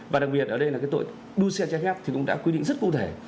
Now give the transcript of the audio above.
và đặc biệt ở đây là cái tội đua xe trái phép thì cũng đã quy định rất cụ thể